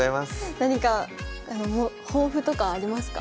何か抱負とかありますか？